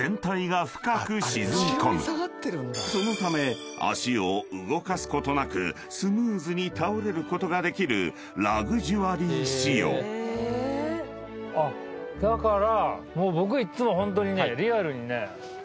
［そのため足を動かすことなくスムーズに倒れることができるラグジュアリー仕様］あっだから。